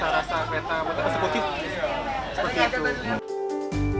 rasa rasa kereta eksekutif